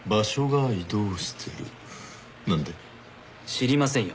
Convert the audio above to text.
知りませんよ。